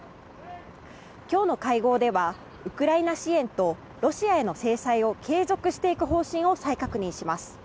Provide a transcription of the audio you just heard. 今日の会合ではウクライナ支援とロシアへの制裁を継続していく方針を再確認します。